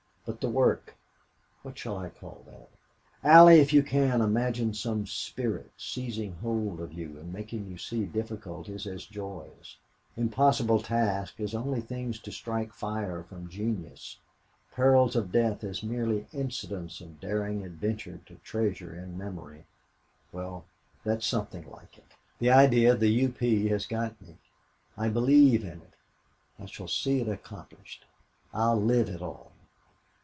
But the work what shall I call that?... Allie, if you can, imagine some spirit seizing hold of you and making you see difficulties as joys impossible tasks as only things to strike fire from genius, perils of death as merely incidents of daring adventure to treasure in memory well that's something like it. The idea of the U. P. has got me. I believe in it. I shall see it accomplished.... I'll live it all."